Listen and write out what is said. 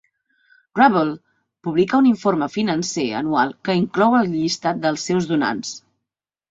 Rabble publica un informe financer anual que inclou el llistat dels seus donants.